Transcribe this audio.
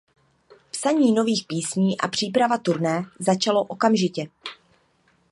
Psaní nových písní a příprava turné začalo okamžitě.